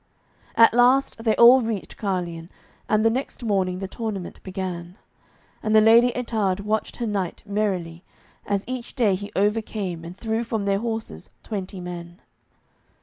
At last they all reached Carleon, and the next morning the tournament began. And the Lady Ettarde watched her knight merrily, as each day he overcame and threw from their horses twenty men.